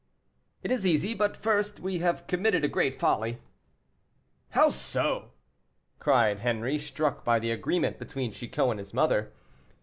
"It is easy; but first, we have committed a great folly." "How so?" cried Henri, struck by the agreement between Chicot and his mother.